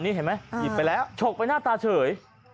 นี่เห็นไหมหยิบไปแล้วฉกไปหน้าตาเฉย